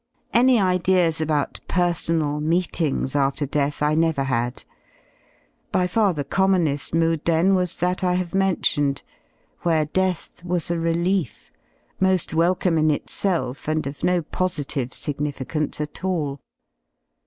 Any ideasj about personal meetings after death I never had. By far . the commoner mood, then, was that I have mentioned, where death was a relief, mo^ welcome in itself and of no l positive significance at all.